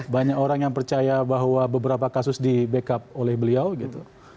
banyak orang yang percaya bahwa beberapa kasus di backup oleh beliau gitu